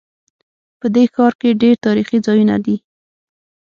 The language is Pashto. په دې ښار کې ډېر تاریخي ځایونه دي